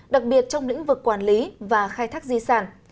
đặc biệt trong lĩnh vực quản lý và khai thác di sản